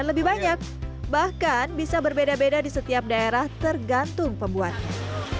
lebih banyak bahkan bisa berbeda beda di setiap daerah tergantung pembuatnya